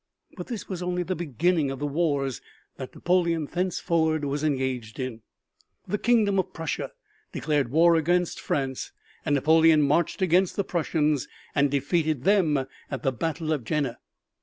But this was only the beginning of the wars that Napoleon thence forward was engaged in. The kingdom of Prussia declared war against France, and Napoleon marched against the Prussians and defeated them at the battle of Jena.